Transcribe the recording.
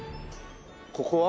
ここは？